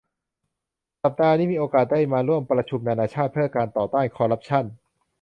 สัปดาห์นี้มีโอกาสได้มาร่วมประชุมนานาชาติเพื่อการต่อต้านคอร์รัปชั่น